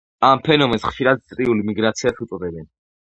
ამ ფენომენს ხშირად წრიულ მიგრაციას უწოდებენ.